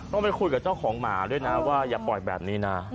ต้องไปคุยกับเจ้าของหมาด้วยนะว่าอย่าปล่อยแบบนี้นะ